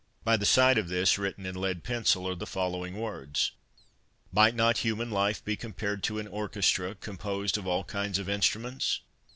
By the side of this, written in lead pencil, are the following words :' Might not human life be compared to an orchestra, composed of all kinds of instruments